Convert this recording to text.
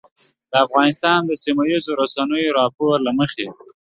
د افغانستان د سیمهییزو رسنیو د راپور له مخې